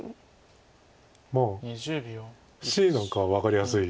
まあＣなんか分かりやすい予想手。